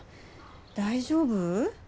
大丈夫？